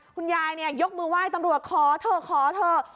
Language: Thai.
คุณยายยกมือไหว้ตำรวจขอเถอะขอเถอะ